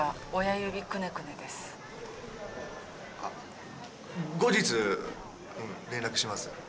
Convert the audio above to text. あ後日連絡します。